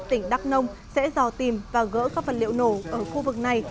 tỉnh đắk nông sẽ dò tìm và gỡ các vật liệu nổ ở khu vực này